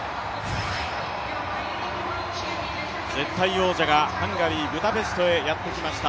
絶対王者がハンガリー・ブダペストにやってきました。